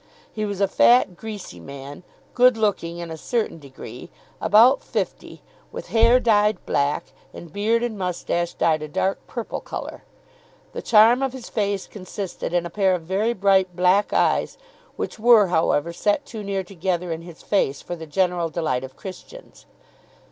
He was a fat, greasy man, good looking in a certain degree, about fifty, with hair dyed black, and beard and moustache dyed a dark purple colour. The charm of his face consisted in a pair of very bright black eyes, which were, however, set too near together in his face for the general delight of Christians.